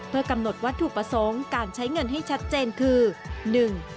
เพื่อกำหนดวัตถุประสงค์การใช้เงินให้ชัดเจนคือหนึ่ง